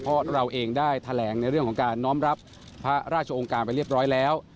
เพราะเราเองได้แถลงในเรื่องของการน้อมรับพระราชองค์การไปเรียบร้อยแล้ว